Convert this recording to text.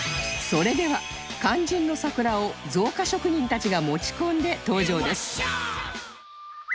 それでは肝心の桜を造花職人たちが持ち込んで登場です